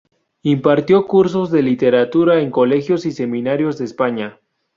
Impartió cursos de Literatura en colegios y seminarios de España.